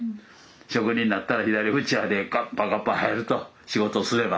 職人になったら左うちわでガッパガッパ入ると仕事をすれば。